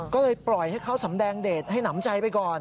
ก็เลยปล่อยให้เขาสำแดงเดทให้หนำใจไปก่อน